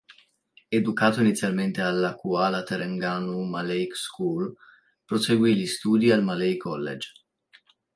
Educato inizialmente alla Kuala Terengganu Malay School, proseguì gli studi al Malay College.